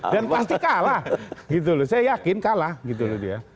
dan pasti kalah gitu loh saya yakin kalah gitu loh dia